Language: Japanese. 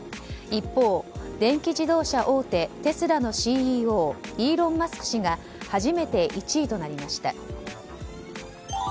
一方、電気自動車大手テスラのＣＥＯイーロン・マスク氏が初めて１位となりました。